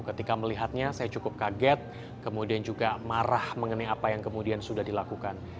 ketika melihatnya saya cukup kaget kemudian juga marah mengenai apa yang kemudian sudah dilakukan